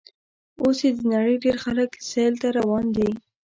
اوس یې د نړۍ ډېر خلک سیل ته روان دي.